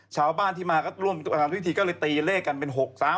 ชาวบ้านที่มาก็ร่วมกับอาหารพิธีก็เลยตีเลขกันเป็น๖๓๐๒๖๓